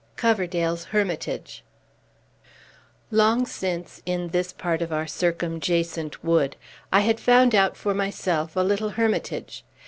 COVERDALE'S HERMITAGE Long since, in this part of our circumjacent wood, I had found out for myself a little hermitage.